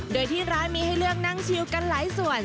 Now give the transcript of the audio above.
โดยที่ร้านมีให้เลือกนั่งชิวกันหลายส่วน